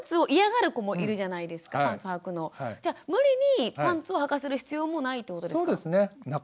じゃ無理にパンツをはかせる必要もないということですか？